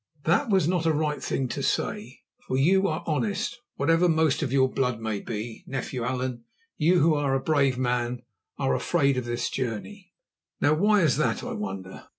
That was not a right thing to say, for you are honest whatever most of your blood may be. Nephew Allan, you who are a brave man, are afraid of this journey. Now, why is that, I wonder?